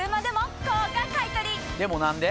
でも何で？